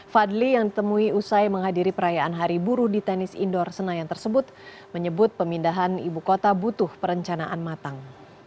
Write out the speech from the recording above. fadli yang ditemui usai menghadiri perayaan hari buruh di tenis indoor senayan tersebut menyebut pemindahan ibu kota butuh perencanaan matang